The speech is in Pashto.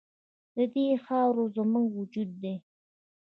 د دې خاوره زموږ وجود دی